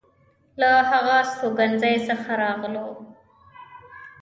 له هغه استوګنځي څخه راغلو.